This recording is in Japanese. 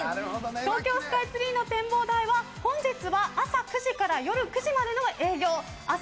東京スカイツリーの展望台は本日は、朝９時から夜９時までの営業です。